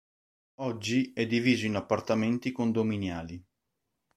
Oggi è diviso in appartamenti condominiali.